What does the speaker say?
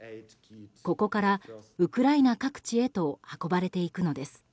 ここからウクライナ各地へと運ばれていくのです。